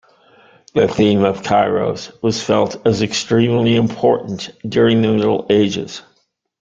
The theme of Kairos was felt as extremely important during the Middle Ages.